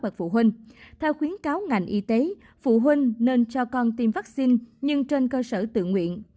theo khuyến cáo ngành y tế phụ huynh nên cho con tiêm vaccine nhưng trên cơ sở tự nguyện